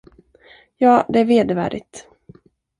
Ja, det är vedervärdigt.